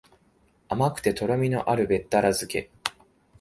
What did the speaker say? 甘くてとろみのあるべったら漬け